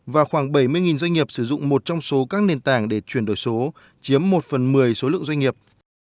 và khoảng bảy mươi doanh nghiệp sử dụng một trong số các nền tảng để chuyển đổi số chiếm một phần một mươi số lượng doanh nghiệp